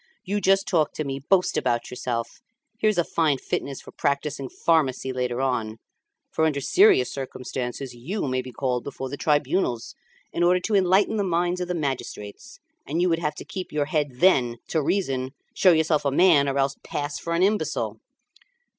you just talk to me, boast about yourself! Here's a fine fitness for practising pharmacy later on; for under serious circumstances you may be called before the tribunals in order to enlighten the minds of the magistrates, and you would have to keep your head then, to reason, show yourself a man, or else pass for an imbecile."